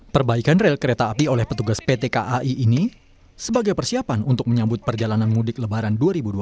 perbaikan rel kereta api oleh petugas pt kai ini sebagai persiapan untuk menyambut perjalanan mudik lebaran dua ribu dua puluh